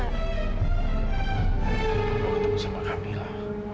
mau ketemu sama kamila